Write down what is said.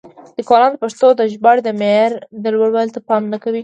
لیکوالان د پښتو د ژباړې د معیار لوړولو ته پام نه کوي.